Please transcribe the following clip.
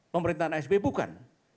pemerintahan sby bukan